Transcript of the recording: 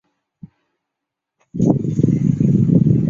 末端跨越牛稠溪接万丹乡大昌路至社皮。